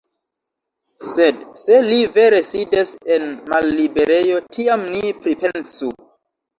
Sed se li vere sidas en malliberejo, tiam ni pripensu.